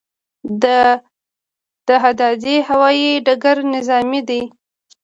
د دهدادي هوايي ډګر نظامي دی